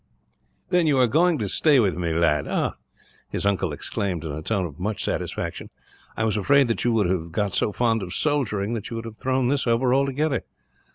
"Then you are going to stay with me, lad!" his uncle exclaimed, in a tone of much satisfaction. "I was afraid that you would have got so fond of soldiering that you would have thrown this over, altogether."